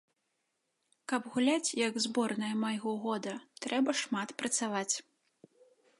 Каб гуляць, як зборная майго года, трэба шмат працаваць.